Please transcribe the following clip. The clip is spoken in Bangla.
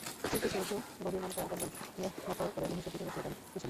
শিল্পী শুধু গভীর মমতায় আপনজনের মতো করে মহিষের পিঠে বসিয়ে দেন কৃষাণকে।